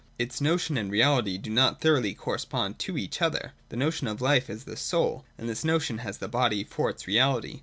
Its notion and reality do not thoroughly correspond to each other. The notion of life is the soul, and this notion has the body for its reality.